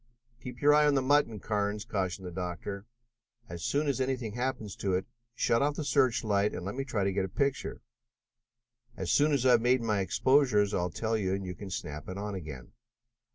"Keep your eye on the mutton, Carnes," cautioned the doctor. "As soon as anything happens to it, shut off the search light and let me try to get a picture. As soon as I have made my exposures I'll tell you, and you can snap it on again.